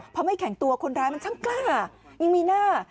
พอไม่แข็งตัวคนร้ายมันช่างกล้ายังมีหน้า